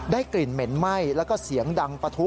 กลิ่นเหม็นไหม้แล้วก็เสียงดังปะทุ